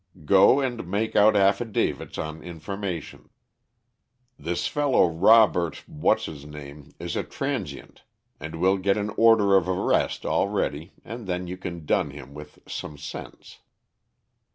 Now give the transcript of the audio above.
Go and make out affidavits on information. This fellow Robert what's his name is a 'transient,' and we'll get an order of arrest all ready and then you can dun him with some sense.